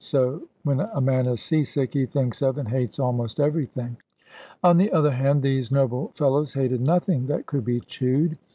So when a man is sea sick, he thinks of and hates almost everything. On the other hand, these noble fellows hated nothing that could be chewed.